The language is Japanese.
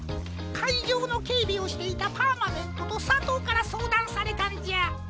かいじょうのけいびをしていたパーマネントとさとうからそうだんされたんじゃ。